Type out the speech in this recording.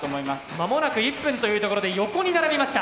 間もなく１分というところで横に並びました。